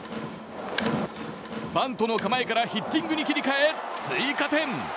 バントの構えからヒッティングに切り替え追加点。